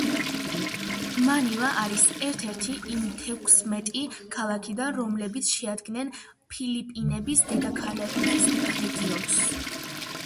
მანილა არის ერთ-ერთი იმ თექვსმეტი ქალაქიდან, რომლებიც შეადგენენ ფილიპინების დედაქალაქის რეგიონს.